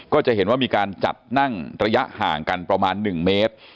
ก็จะเห็นว่ามีการจัดนั่งระยะห่างกันประมาณ๑เมตร